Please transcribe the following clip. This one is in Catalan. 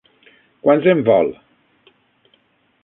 Quants en vol?